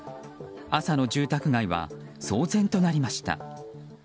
朝の住宅街は騒然となりました。